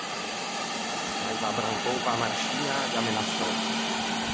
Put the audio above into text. O l’aiva abbrancou pe-a marsciña e ammenassou.